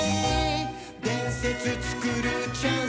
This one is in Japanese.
「でんせつつくるチャンスっしょ」